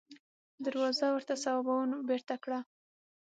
دروازه ورته سباوون بېرته کړه.